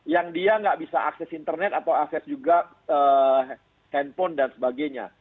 yang dia nggak bisa akses internet atau akses juga handphone dan sebagainya